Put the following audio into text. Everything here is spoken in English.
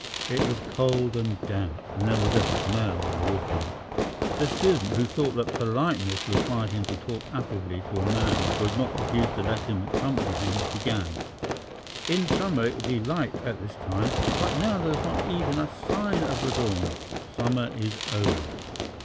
It was cold and damp, and there was a smell of autumn. The student, who thought that politeness required him to talk affably to a man who had not refused to let him accompany him, began: "In summer it would be light at this time, but now there is not even a sign of the dawn. Summer is over!"